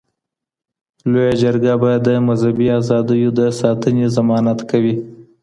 لويه جرګه به د مذهبي ازاديو د ساتني ضمانت کوي.